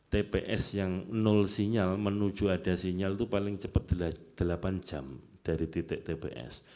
tps yang nol sinyal menuju ada sinyal itu paling cepat delapan jam dari titik tps